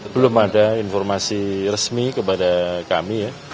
belum ada informasi resmi kepada kami ya